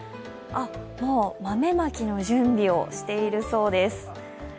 あっ、豆まきの準備をしているそうです。